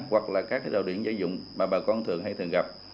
hoặc là các đạo điện giải dụng mà bà con thường hay thường gặp